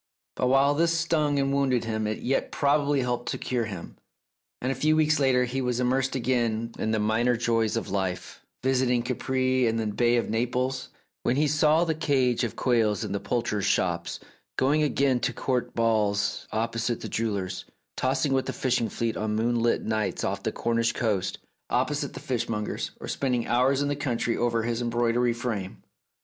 But while this stung and wounded him, it yet probably helped to cure him, and a few weeks later he was immersed again in the minor joys of life, visiting Capri and the Bay of Naples, when he saw the cages of quails in the poulterers' shops, going again to s 281 The Tragedy of Oliver Bowman Court balls opposite the jeweller's, tossing with the fishing fleet on moonlit nights off the Cornish coast opposite the fishmonger's, or spending hours in the country over his embroidery frame.